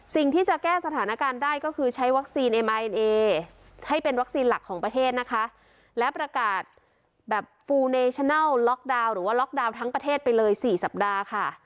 สิ่งที่จะแก้สถานการณ์ได้ก็คือใช้วัคซีนเอมาเอ็นเอให้เป็นวัคซีนหลักของประเทศนะคะและประกาศแบบฟูเนชนัลล็อกดาวน์หรือว่าล็อกดาวน์ทั้งประเทศไปเลยสี่สัปดาห์ค่ะ